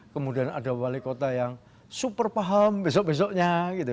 kemudian ada wali kota yang super paham besok besoknya gitu